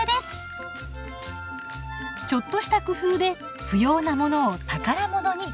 ちょっとした工夫で不要なものを宝物に。